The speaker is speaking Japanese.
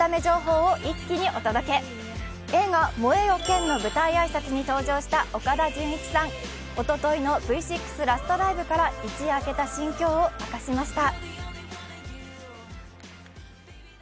映画「燃えよ剣」の舞台挨拶に登場した岡田准一さん、おとといのＶ６ラストライブから一夜明けた心境を明かしました。